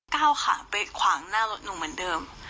ก้าวขาไปขวางหน้ารถหนูเหมือนเดิม